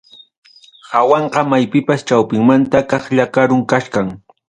Hawanqa maypipas chawpinmanta kaqlla karum kachkan.